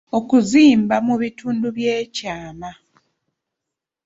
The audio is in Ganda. Okuzimba mu bitundu by’ekyama.